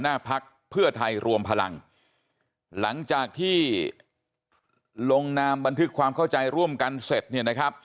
หน้าภักษ์เพื่อไทยรวมพลังหลังจากที่ลงนามบันทึกความเข้าใจร่วมกันเสร็จ